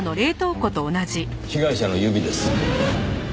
被害者の指です。